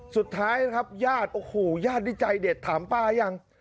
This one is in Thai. สุดท้ายนะครับญาติโอ้โหญาตินี่ใจเด็ดถามป้ายัง